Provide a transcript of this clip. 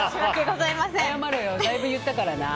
だいぶ言ったからな。